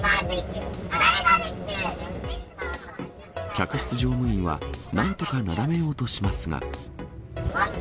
客室乗務員は、なんとかなだめようとしますが。